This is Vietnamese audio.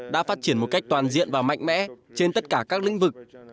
đã phát triển một cách toàn diện và mạnh mẽ trên tất cả các lĩnh vực